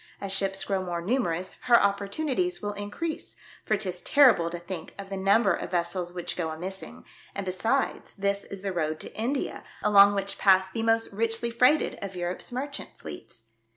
As ships grow more numerous, her opportunities will in crease, for 'tis terrible to think of the num ber of vessels which go a missing ; and, besides, this is the road to India, along which pass the most richly freighted of Europe's merchant fleets.